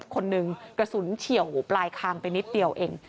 คนหนึ่งกระสุนเฉียวปลายคางไปนิดเดียวเอง